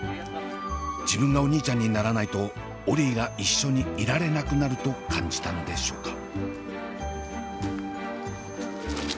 自分がお兄ちゃんにならないとオリィが一緒にいられなくなると感じたのでしょうか。